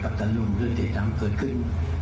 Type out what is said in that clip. กับจันทร์ลุมเรื่องเกิดขึ้น